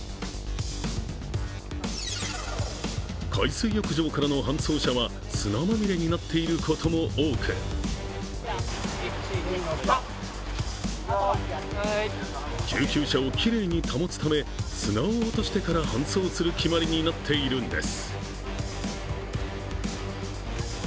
海水浴場からの搬送者は、砂まみれになっていることも多く救急車をきれいに保つため砂を落としてから搬送する決まりになっているんです。